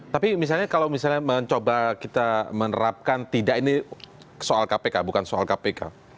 tapi misalnya kalau misalnya mencoba kita menerapkan tidak ini soal kpk bukan soal kpk